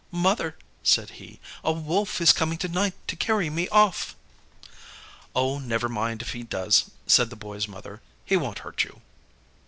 "Mother," said he, "a Wolf is coming to night to carry me off." "Oh, never mind if he does," said the Boy's mother, "he won't hurt you."